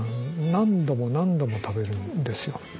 何度も何度も食べるんですよ。